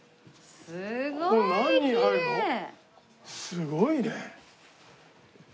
すごいね。